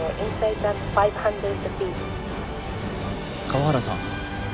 河原さん。